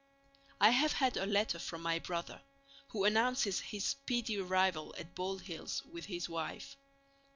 I have had a letter from my brother, who announces his speedy arrival at Bald Hills with his wife.